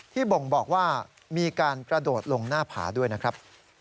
บ่งบอกว่ามีการกระโดดลงหน้าผาด้วยนะครับ